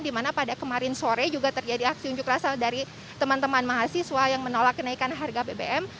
di mana pada kemarin sore juga terjadi aksi unjuk rasa dari teman teman mahasiswa yang menolak kenaikan harga bbm